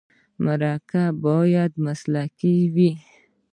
مرکه باید مسلکي وي.